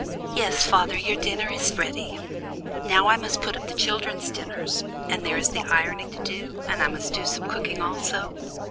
"Yes, father, your dinner is ready. Now I must put up the children's dinners, and there is the ironing to do, and I must do some cooking also.